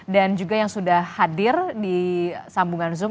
dan juga yang sudah hadir di sambungan zoom